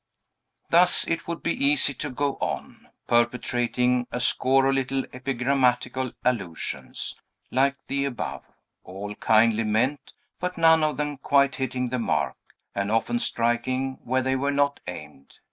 Thus it would be easy to go on, perpetrating a score of little epigrammatical allusions, like the above, all kindly meant, but none of them quite hitting the mark, and often striking where they were not aimed.